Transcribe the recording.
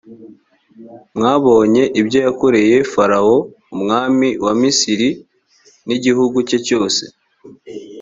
mwabonye ibyo yakoreye farawo umwami wa misiri n’igihugu cye cyose.